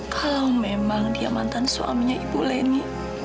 kalau memang dia mantan suaminya ibu leni